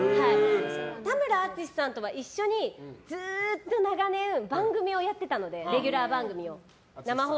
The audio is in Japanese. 田村淳さんとは一緒にずっと長年番組をやってたのでレギュラー番組を。